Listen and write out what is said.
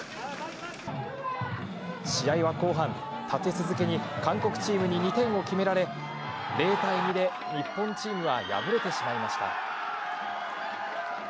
試合は後半、立て続けに韓国チームに２点を決められ、０対２で日本チームは敗れてしまいました。